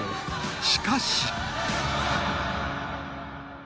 しかし。